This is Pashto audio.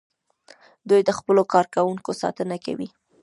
دوی د خپلو کارکوونکو ساتنه کوي.